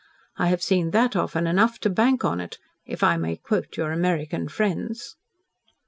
I have seen that often enough 'to bank on it,' if I may quote your American friends."